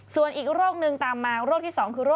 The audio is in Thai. ส่วนอีกโรคนึงตามมาโรคที่๒